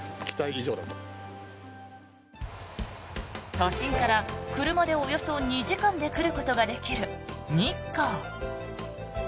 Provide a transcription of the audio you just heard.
都心から車でおよそ２時間で来ることができる日光。